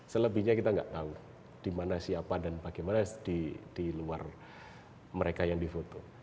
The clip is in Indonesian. selebihnya kita nggak tahu di mana siapa dan bagaimana di luar mereka yang difoto